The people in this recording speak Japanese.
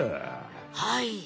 はい。